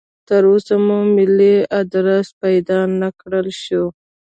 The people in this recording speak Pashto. تراوسه مو ملي ادرس پیدا نکړای شو.